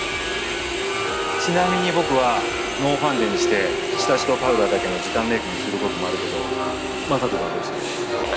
ちなみに僕はノーファンデにして下地とパウダーだけの時短メイクにすることもあるけど雅人君はどうしてる？